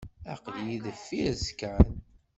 Aql-iyi deffir-s kan.